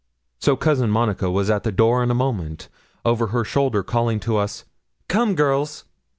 So Cousin Monica was at the door in a moment, over her shoulder calling to us, 'Come, girls.'